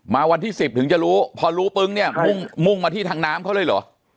วันที่๑๐ถึงจะรู้พอรู้ปึ้งเนี่ยมุ่งมาที่ทางน้ำเขาเลยเหรอ